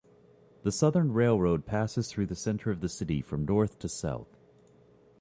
The Southern Railroad passes through the center of the city from north to south.